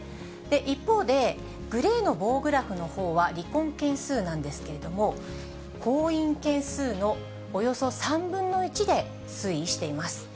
一方で、グレーの棒グラフのほうは離婚件数なんですけれども、婚姻件数のおよそ３分の１で推移しています。